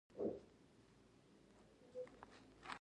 د کرم او شترګردن د کوتل له لارې یې یرغل وکړ.